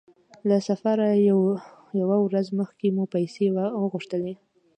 له سفره يوه ورځ مخکې مو پیسې وغوښتلې.